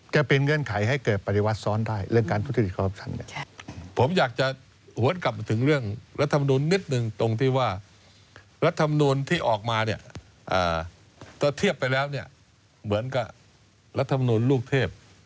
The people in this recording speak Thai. จะเป็นเงื่อนไขให้เกิดปริวัติซ้อนได้